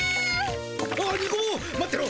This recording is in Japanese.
あっニコ坊待ってろ。